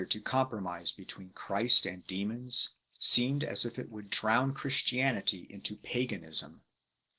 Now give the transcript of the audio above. to compromise between Christ and demons, seemed as if it would drown Christianity in paganism.